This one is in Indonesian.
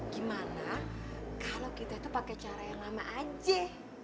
gimana kalau kita itu pakai cara yang lama aja